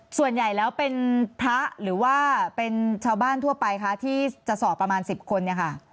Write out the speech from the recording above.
ส่วนใหญ่แล้วเป็นพระหรือว่าเป็นชาวบ้านทั่วไปคะที่จะสอบประมาณ๑๐คนเนี่ยค่ะ